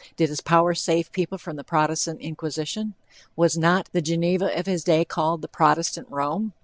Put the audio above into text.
Did his power save people from the Protestant inquisition? Was not the Geneva of his day called _the Protestant Rome?